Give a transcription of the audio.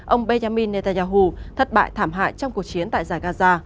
ông benjamin netanyahu thất bại thảm hại trong cuộc chiến tại giải gaza